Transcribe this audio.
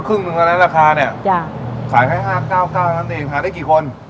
ครึ่งนึงแล้วนะราคาเนี้ยจ้ะขายให้๕๙๙นั้นเองขายได้กี่คน